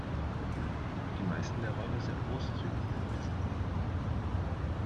Die meisten der Räume sind großzügig bemessen.